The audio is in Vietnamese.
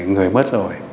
người mất rồi